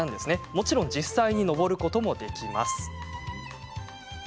もちろん実際に登ることもできます。